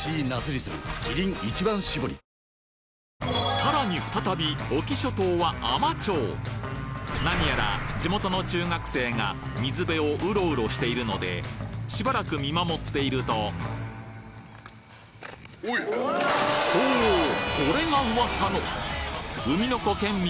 キリン「一番搾り」さらに再び隠岐諸島は海士町なにやら地元の中学生が水辺をうろうろしているのでしばらく見守っているとほぉこれが噂の海の子県民